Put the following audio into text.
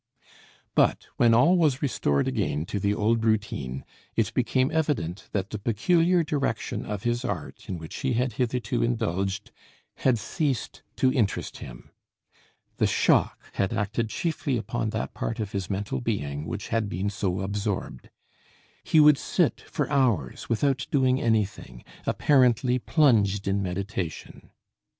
But when all was restored again to the old routine, it became evident that the peculiar direction of his art in which he had hitherto indulged had ceased to interest him. The shock had acted chiefly upon that part of his mental being which had been so absorbed. He would sit for hours without doing anything, apparently plunged in meditation.